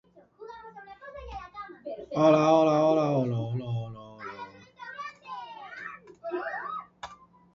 Roughead held the title of Writer to Her Majesty's Signet as a Scottish solicitor.